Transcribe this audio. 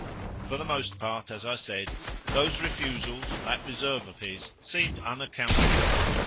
For the most part, as I said, those refusals, that reserve of his, seemed unaccountable.